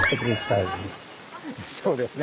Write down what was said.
そうですね